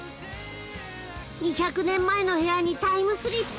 ２００年前の部屋にタイムスリップ？